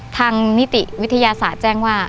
ทางนิติวิทยาศาสตร์แจ้งว่า